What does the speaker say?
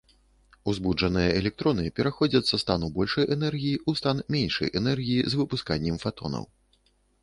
Узбуджаныя электроны пераходзяць са стану большай энергіі ў стан меншай энергіі з выпусканнем фатонаў.